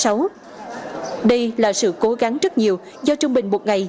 đây là sự cố gắng rất nhiều do trung bình một ngày